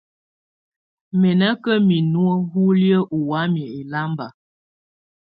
Mɛ̀ nà ka minu uliǝ́ ɔ̀ wamɛ̀á ɛlamba.